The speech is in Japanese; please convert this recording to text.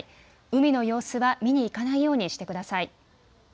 海の様子は見に行かないようにしてください。